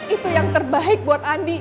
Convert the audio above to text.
itu yang terbaik buat andi